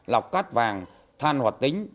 lọc cát vàng than hoạt tính